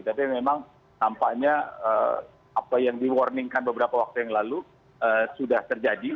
tapi memang nampaknya apa yang di warningkan beberapa waktu yang lalu sudah terjadi